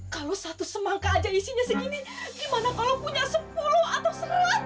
kalau satu semangka aja isinya segini gimana kalau punya sepuluh atau seratus